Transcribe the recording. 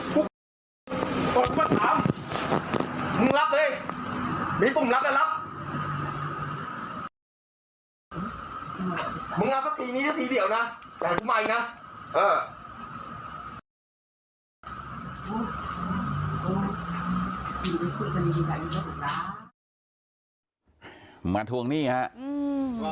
พวกตัวนี้ก็ถามมึงรับเลยมีตุ่มรับก็รับ